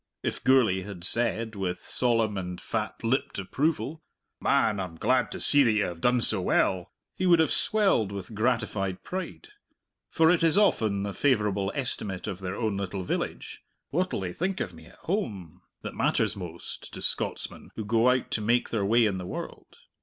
If Gourlay had said, with solemn and fat lipped approval, "Man, I'm glad to see that you have done so well," he would have swelled with gratified pride. For it is often the favourable estimate of their own little village "What they'll think of me at home" that matters most to Scotsmen who go out to make their way in the world.